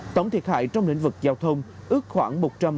tổng thiệt hại trong lĩnh vực giao thông ước khoảng một trăm linh